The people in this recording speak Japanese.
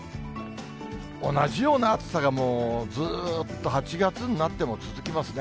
同じような暑さがもうずっと８月になっても続きますね。